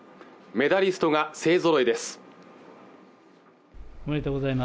メダリストが勢ぞろいです